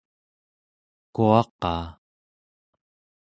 kua-qaa?